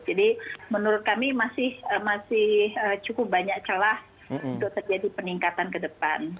jadi menurut kami masih cukup banyak celah untuk terjadi peningkatan ke depan